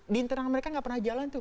di internal mereka gak pernah jalan tuh